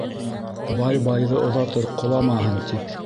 Бай байҙы оҙатыр «ҡоламаһын» тип